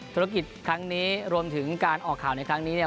ธุรกิจครั้งนี้รวมถึงการออกข่าวในครั้งนี้เนี่ย